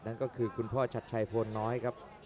นั่นก็คือคุณพ่อชัดชัยโพนน้อยครับ